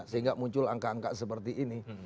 sehingga muncul angka angka seperti ini